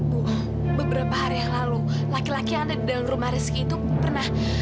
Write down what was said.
beberapa hari yang lalu laki laki yang ada di dalam rumah rizky itu pernah